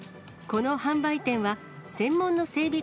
この販売店は、専門の整備